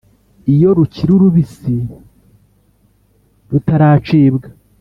iyo rukiri rubisi rutaracibwa,